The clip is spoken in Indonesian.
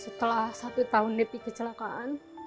setelah satu tahun lebih kecelakaan